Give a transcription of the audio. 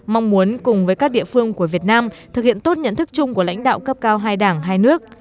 mong muốn cùng với các địa phương của việt nam thực hiện tốt nhận thức chung của lãnh đạo cấp cao hai đảng hai nước